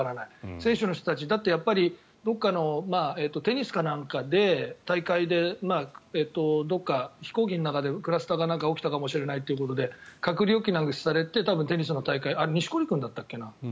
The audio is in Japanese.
選手の人たち、だってやっぱりテニスかなんかで大会で、どこか飛行機の中でクラスターが起きたかもしれないということで隔離を余儀なくされて錦織君だっけ。